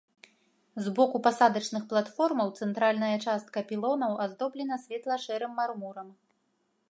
З боку пасадачных платформаў цэнтральная частка пілонаў аздобленая светла-шэрым мармурам.